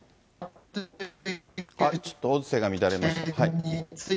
ちょっと音声が乱れました。